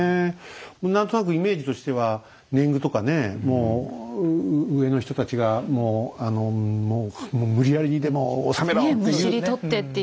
何となくイメージとしては年貢とかねもう上の人たちがもうもう無理やりにでも納めろっていう。